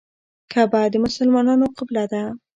کعبه د مسلمانانو قبله ده.